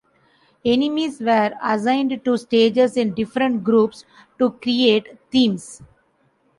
Enemies were assigned to stages in different groups to create themes.